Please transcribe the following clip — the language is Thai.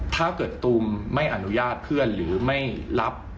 ถ้าเกิดตุ้มไม่อนุญาตเพื่อนหรือไม่รับ